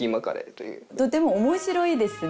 とても面白いですね。